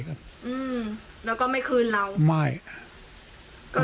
แล้วก็ไม่คืนเราไม่